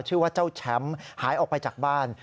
ชื่อว่าเจ้าแชมป์หายออกไปจากบ้าน